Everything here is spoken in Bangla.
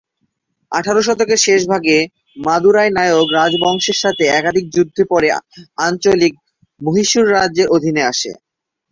আঠারো শতকের শেষভাগে, মাদুরাই নায়ক রাজবংশের সাথে একাধিক যুদ্ধের পরে অঞ্চলটি মহীশূর রাজ্যের অধীনে আসে।